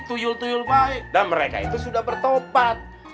tuyul tuyul baik dan mereka itu sudah bertopat